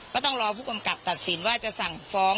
ต้องรอผู้กำกับตัดสินว่าจะสั่งฟ้อง